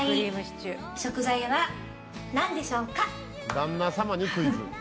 旦那様にクイズ。